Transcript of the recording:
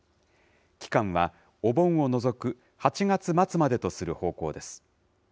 期間はお盆を除く８月末までとする方向です。